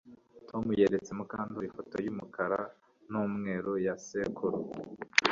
Tom yeretse Mukandoli ifoto yumukara numweru ya sekuru